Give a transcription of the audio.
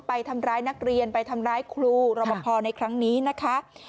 ไปทำร้ายนักเรียนไปทำร้ายครูรบพอในครั้งนี้นะคะ